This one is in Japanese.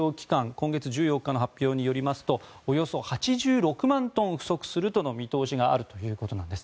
今月１４日の発表によりますとおよそ８６万トン不足するとの見通しがあるということです。